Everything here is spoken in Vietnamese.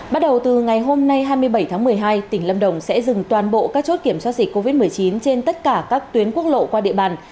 bắt đầu từ ngày hôm nay hai mươi bảy tháng một mươi hai tỉnh lâm đồng sẽ dừng toàn bộ các chốt kiểm soát dịch covid một mươi chín trên tất cả các tuyến quốc lộ qua địa bàn